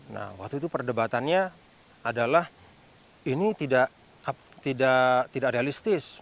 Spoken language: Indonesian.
nah waktu itu perdebatannya adalah ini tidak realistis